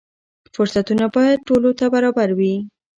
فرصتونه باید ټولو ته برابر وي.